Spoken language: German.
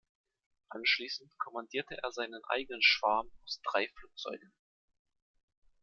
Anschließend kommandierte er seinen eigenen Schwarm aus drei Flugzeugen.